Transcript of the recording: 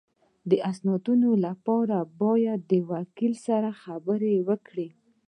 د اسنادو لپاره باید د وکیل سره خبرې وکړې